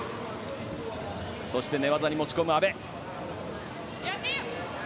そして、寝技に持ち込む阿部。